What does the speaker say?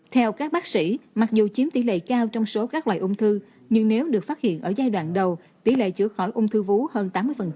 theo các bác sĩ mặc dù chiếm tỷ lệ cao trong số các loài ông thư nhưng nếu được phát hiện ở giai đoạn đầu tỷ lệ chữa khỏi ông thư vũ hơn tám mươi